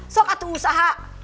sok atuh usaha